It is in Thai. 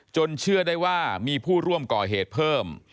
เชื่อได้ว่ามีผู้ร่วมก่อเหตุเพิ่ม